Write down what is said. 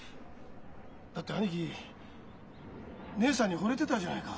だって兄貴義姉さんにほれてたじゃないか。